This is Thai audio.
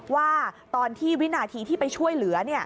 ว่าตอนที่วินาทีที่ไปช่วยเหลือ